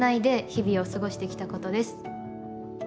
日々を過ごしてきたことです。